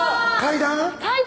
階段？